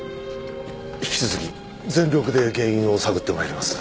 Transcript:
引き続き全力で原因を探ってまいります。